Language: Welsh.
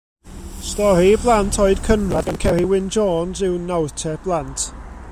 Stori i blant oed cynradd gan Ceri Wyn Jones yw Nawr Te, Blant.